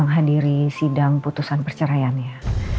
hadiri sidang putusan perceraiannya